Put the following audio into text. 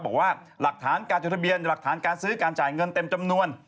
บอกว่าหลักฐานการจดทะเบียนหลักฐานการซื้อการจ่ายเงินเต็มจำนวน